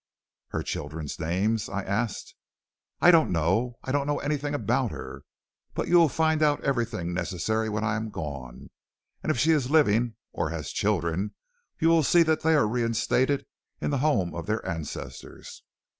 "'Her children's names?' I asked. "'I don't know, I don't know anything about her. But you will find out everything necessary when I am gone; and if she is living, or has children, you will see that they are reinstated in the home of their ancestors.